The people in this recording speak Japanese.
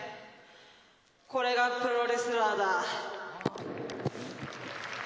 これがプロレスラーだ。